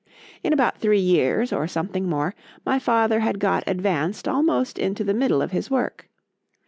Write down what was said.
In about three years, or something more, my father had got advanced almost into the middle of his work.